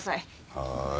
はい。